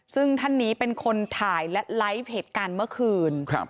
ซึ่งท่านนี้เป็นคนถ่ายและไลฟ์เหตุการณ์เมื่อคืน